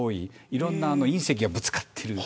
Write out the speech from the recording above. いろんな隕石がぶつかっている。